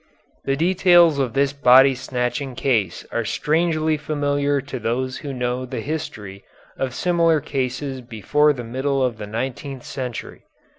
The details of this body snatching case are strangely familiar to those who know the history of similar cases before the middle of the nineteenth century.